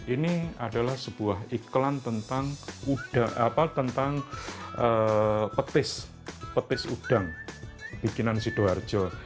ini adalah sebuah iklan tentang petis udang bikinan sidoarjo